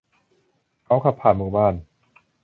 เขาขับผ่านหมู่บ้าน